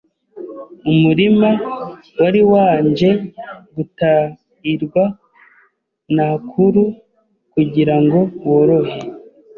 Umurima wari wanje gutairwa n’akuru kugira ngo worohe